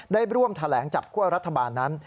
ได้ร่วมแถลงจับคั่วรัฐบาลนั้น